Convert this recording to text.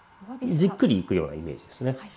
じっくりいくようなイメージですね。